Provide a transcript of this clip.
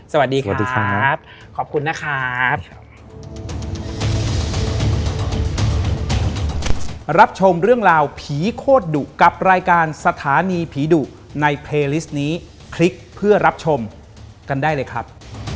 สวัสดีครับขอบคุณนะครับ